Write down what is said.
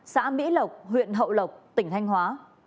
xã mỹ lộc huyện hậu lộc tỉnh thanh hóa